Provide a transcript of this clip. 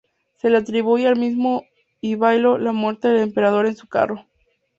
Se le atribuye al mismo Ivailo la muerte del emperador en su carro.